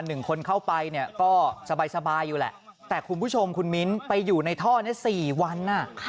หนึ่งคนเข้าไปเนี่ยก็สบายอยู่แหละแต่คุณผู้ชมคุณมิ้นไปอยู่ในท่อนี้สี่วันอ่ะ